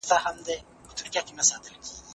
ماشومان د ښه راتلونکي هیله لري.